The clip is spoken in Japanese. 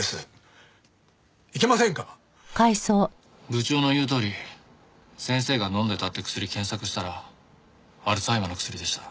部長の言うとおり先生が飲んでたって薬検索したらアルツハイマーの薬でした。